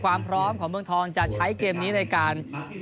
ความพร้อมของเมืองทองจะใช้เกมนี้ในการ